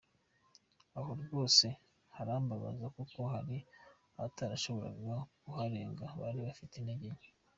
Aha rwose harambabaza kuko hari abatarashoboye kuharenga bari bafite intege nke.